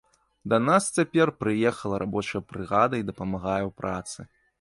Да нас цяпер прыехала рабочая брыгада і дапамагае ў працы.